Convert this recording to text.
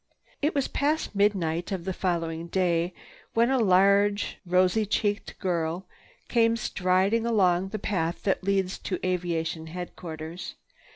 It was past mid afternoon of the following day when a large, rosy cheeked girl came striding along the path that leads to aviation headquarters.